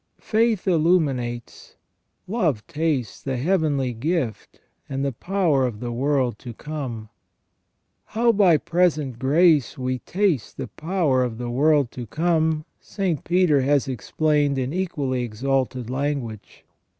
Faith illuminates, love tastes the heavenly gift, and the power of the world to come. How by present grace we taste the power of the world to come, St. Peter has explained in equally exalted language.